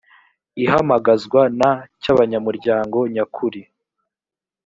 ihamagazwa na… cy’abanyamuryango nyakuri